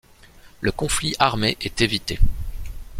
Le conflit armé est évité.